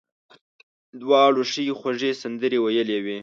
دواړو ښې خوږې سندرې ویلې وې.